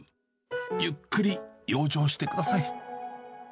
ゆっくり養生してください。